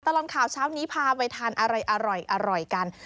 ตลอดข่าวเช้านี้พาไปทานอะไรอร่อยกัน